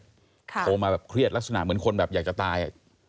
โทรมาแบบเครียดลักษณะเหมือนคนแบบอยากจะตาย